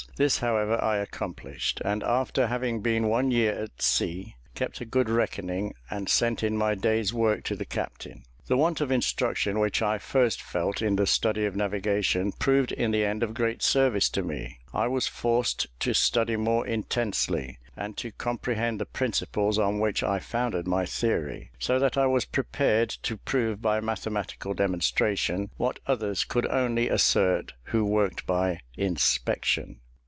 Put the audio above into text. This, however, I accomplished, and after having been one year at sea, kept a good reckoning and sent in my day's work to the captain. The want of instruction which I first felt in the study of navigation, proved in the end of great service to me: I was forced to study more intensely, and to comprehend the principles on which I founded my theory, so that I was prepared to prove by mathematical demonstration, what others could only assert who worked by "inspection."